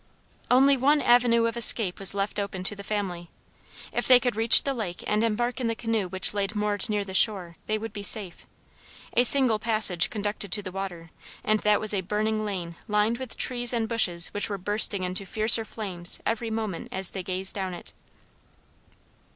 Only one avenue of escape was left open to the family; if they could reach the lake and embark in the canoe which lay moored near the shore they would be safe: a single passage conducted to the water, and that was a burning lane lined with trees and bushes which were bursting into fiercer flames every moment as they gazed down it.